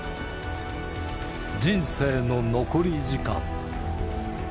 人生の残り時間。